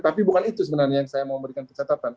tapi bukan itu sebenarnya yang saya mau memberikan pencatatan